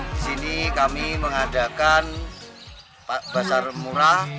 di sini kami mengadakan bazar mura